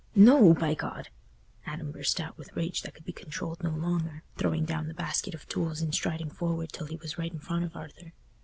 "No, by God!" Adam burst out with rage that could be controlled no longer, throwing down the basket of tools and striding forward till he was right in front of Arthur.